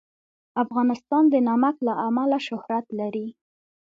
افغانستان د نمک له امله شهرت لري.